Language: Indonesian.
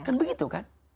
kan begitu kan